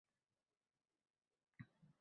Tinchlik-osoyistalik hukm surgan